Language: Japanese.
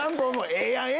ええやんえ。